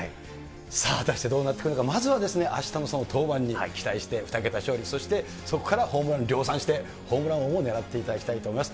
さあ、果たしてどうなってくるのか、まずはあしたのその登板に期待して、２桁勝利、そしてそこからホームラン量産して、ホームラン王を狙っていただきたいと思います。